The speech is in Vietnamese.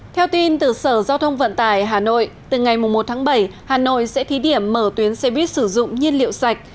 theo tin từ sở giao thông vận tải hà nội từ ngày một tháng bảy hà nội sẽ thí điểm mở tuyến xe buýt sử dụng nhiên liệu sạch